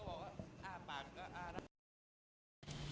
ก็บอกว่าอ้าวมากเลยตานิดหนึ่ง